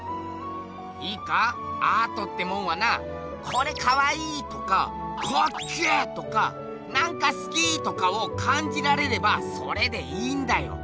いいかアートってもんはなこれかわいいとかカッケーとかなんか好きとかをかんじられればそれでいいんだよ。